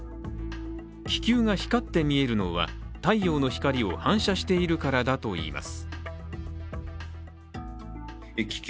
気球が光って見えるのは太陽の光を反射しているからだといいます。